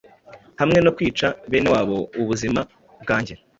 Hamwe no kwica benewabo ubuzima bwanjye